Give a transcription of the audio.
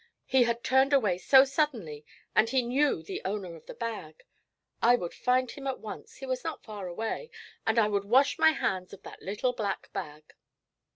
He had turned away so suddenly, and he knew the owner of the bag. I would find him at once he was not far away and I would wash my hands of that little black bag.